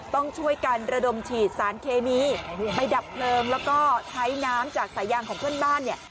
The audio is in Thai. ต้องช่วยกันระดมฉีดสารเคมีไปดับเพลิงแล้วก็ใช้น้ำจากสายยางของเพื่อนบ้านเนี่ย